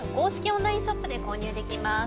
オンラインショップで購入できます。